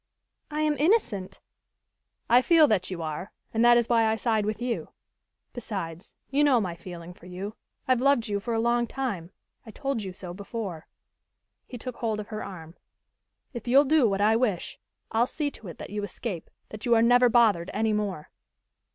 "I am innocent." "I feel that you are, and that is why I side with you. Besides, you know my feeling for you. I've loved you for a long time I told you so before." He took hold of her arm. "If you'll do what I wish, I'll see to it that you escape that you are never bothered any more."